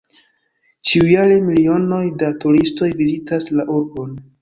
Ĉiujare milionoj da turistoj vizitas la urbon.